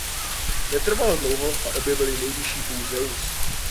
Netrvalo dlouho a objevil ji nejvyšší bůh Zeus.